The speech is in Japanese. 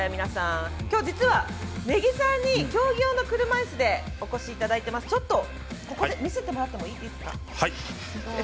きょう、実は根木さんに競技用の車いすでお越しいただいてます。ちょっと見せてもらってもいいですか。